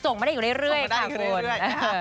ส่งมาได้อยู่เรื่อยค่ะคุณส่งมาได้อยู่เรื่อยนะครับ